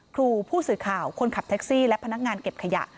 ครูผู้สื่อข่าวคนขับแท็กซี่และพนักงานเก็บขยะ